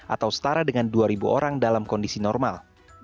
atau setara dengan dua orang dalam kondisi normal